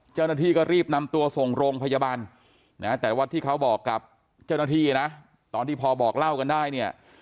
เจ้าหน้าที่ก็รีบนำตัวส่งโรงพยาบาลนะแต่ว่าที่เขาบอกกับเจ้าหน้าที่นะตอนที่พอบอกเล่ากันได้เนี่ย